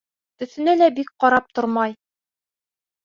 Төҫөнә лә бик ҡарап тормай.